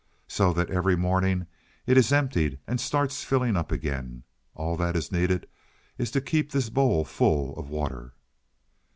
So that every morning it is emptied and starts filling up again. All that is needed is to keep this bowl full of water."